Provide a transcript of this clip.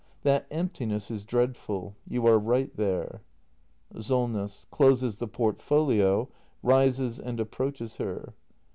That emptiness is dreadful; you are right there. Solness. [Closes the portfolio, rises and approaches her.